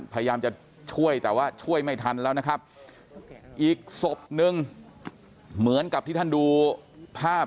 พยายามจะช่วยแต่ว่าช่วยไม่ทันแล้วนะครับอีกศพนึงเหมือนกับที่ท่านดูภาพ